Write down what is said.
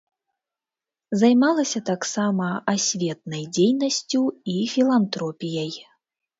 Займалася таксама асветнай дзейнасцю і філантропіяй.